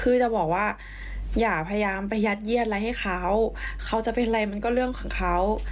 คือจะบอกว่าอย่าพยายามไปยัดเยียดอะไรให้เขาเขาจะเป็นอะไรมันก็เรื่องของเขา